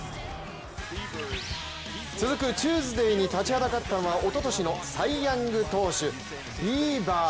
続くチューズデーに立ちはだかったのはおととしのサイ・ヤング投手ビーバー。